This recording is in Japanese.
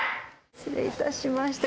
失礼いたしました。